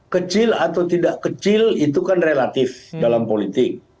kecil atau tidak kecil itu kan relatif dalam politik